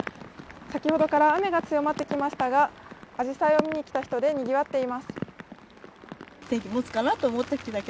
先ほどから雨が強まってきましたが、あじさいを見にきた人でにぎわっています。